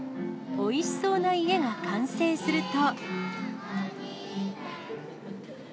おいしそうな家が完成すると。